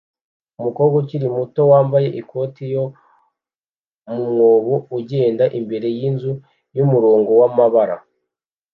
Umukobwa ukiri muto wambaye ikoti yo mu mwobo ugenda imbere yinzu yumurongo wamabara